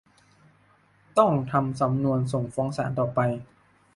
ต้องทำสำนวนส่งฟ้องศาลต่อไป